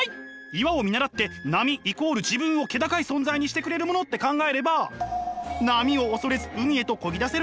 岩を見習って波イコール自分を気高い存在にしてくれるものって考えれば波を恐れず海へとこぎ出せるというわけ。